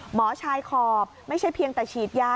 หมอชายขอบไม่ใช่เพียงแต่ฉีดยา